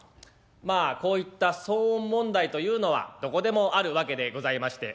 まあこういった騒音問題というのはどこでもあるわけでございまして。